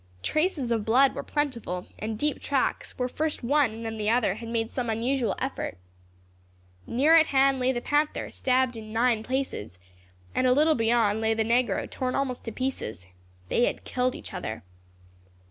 Traces of blood were plentiful, and deep tracks, where first one and then the other had made some unusual effort. Near at hand lay the panther, stabbed in nine places, and a little beyond lay the negro, torn almost to pieces. They had killed each other."